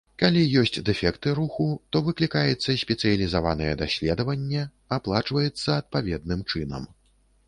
Калі ёсць дэфекты руху, то выклікаецца спецыялізаванае даследаванне, аплачваецца адпаведным чынам.